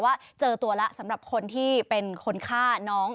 ว่าเจอตัวแล้วสำหรับคนที่เป็นคนฆ่าน้อง